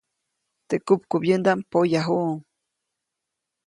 Teʼ kupkubyändaʼm poyajuʼuŋ.